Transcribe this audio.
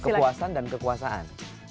kepuasan dan kekuasaan